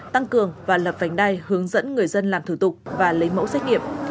tăng cường và lập vành đai hướng dẫn người dân làm thủ tục và lấy mẫu xét nghiệm